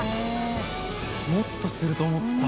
もっとすると思った。